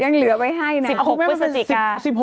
ยังเหลือไว้ให้นะ